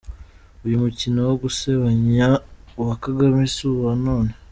Uyu mukino wo gusebanya wa Kagame si uwa none.